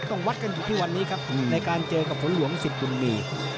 ต้องวัดกันอยู่ที่วันนี้ครับในการเจอกับฝนหลวงสิทธิบุญมี